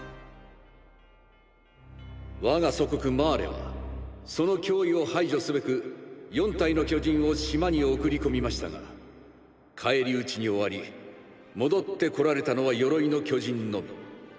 我が祖国マーレはその脅威を排除すべく４体の巨人を島に送り込みましたが返り討ちに終わり戻ってこられたのは「鎧の巨人」のみ。